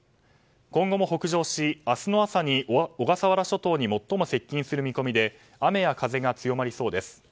今後も北上し明日の朝に小笠原諸島に最も接近する見込みで雨や風が強まりそうです。